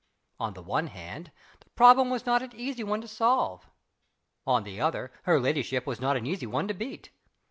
On the one hand, the problem was not an easy one to solve; on the other, her ladyship was not an easy one to beat.